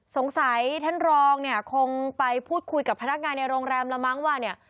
ท่านรองเนี่ยคงไปพูดคุยกับพนักงานในโรงแรมแล้วมั้งว่าเนี่ย